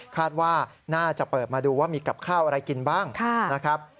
คาดว่าน่าจะเปิดมาดูว่ามีกับข้าวอะไรกินบ้างนะครับ